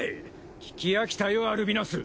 聞き飽きたよアルビナス。